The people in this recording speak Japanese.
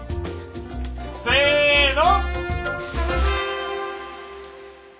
せの！